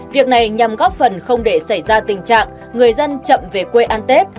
việc này nhằm góp phần không để xảy ra tình trạng người dân chậm về quê ăn tết